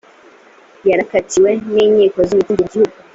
yarakatiwe n’inkiko zo mu kindi gihugu